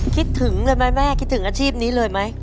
คิดถึงเลยไหมแม่คิดถึงอาชีพนี้เลยไหม